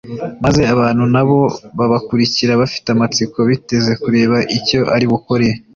maze abantu na bo babakurikira bafite amatsiko, biteze kureba icyo ari bukore